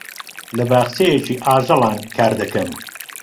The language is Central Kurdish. لە باخچەیەکی ئاژەڵان کار دەکەم.